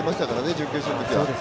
準決勝のときは。